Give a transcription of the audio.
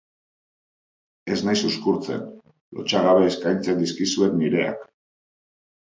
Ez naiz uzkurtzen, lotsagabe eskaintzen dizkizuet nireak.